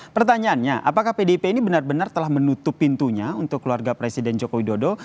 pertanyaannya apakah pdip ini benar benar telah menutup pintunya untuk keluarga presiden joko widodo